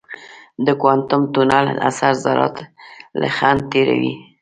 د کوانټم تونل اثر ذرات له خنډه تېروي.